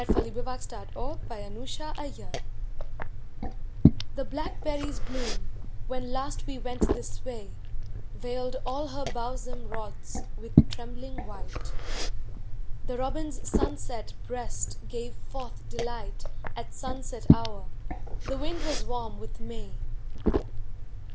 IN WINTER, WITH THE BOOK WE READ IN SPRING The blackberry's bloom, when last we went this way, Veiled all her bowsome rods with trembling white; The robin's sunset breast gave forth delight At sunset hour; the wind was warm with May.